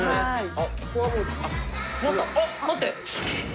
あっ待って！